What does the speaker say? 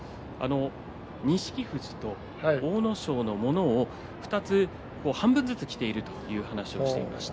錦富士と阿武咲のものを２つ半分ずつ着ているという話をしていました。